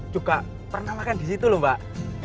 juga pernah makan disitu lho mbak